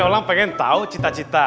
orang pengen tahu cita cita